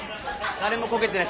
誰もこけてない。